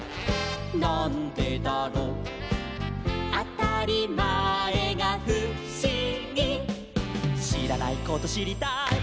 なんでだろう」「あたりまえがふしぎ」「しらないことしりたい」